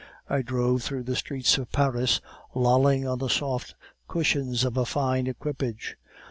I drove through the streets of Paris, lolling on the soft cushions of a fine equipage.